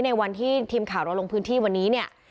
ในวันที่ทีมข่าวเราลงพื้นที่วันนี้เนี่ย